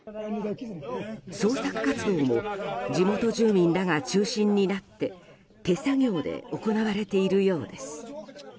捜索活動も地元住民らが中心になって手作業で行われているようです。